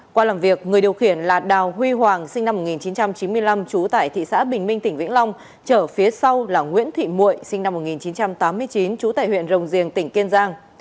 qua làm việc người điều khiển là đào huy hoàng sinh năm một nghìn chín trăm chín mươi năm trú tại thị xã bình minh tỉnh vĩnh long chở phía sau là nguyễn thị mụi sinh năm một nghìn chín trăm tám mươi chín trú tại huyện rồng riềng tỉnh kiên giang